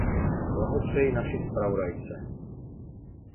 Blahopřeji naší zpravodajce.